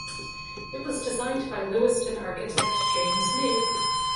It was designed by Lewiston architect James Nave.